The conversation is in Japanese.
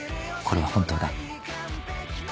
これは本当だ」